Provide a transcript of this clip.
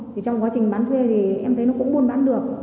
thì trong quá trình bán thuê thì em thấy nó cũng buôn bán được